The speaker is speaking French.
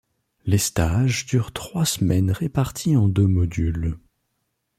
Les stages durent trois semaines réparties en deux modules.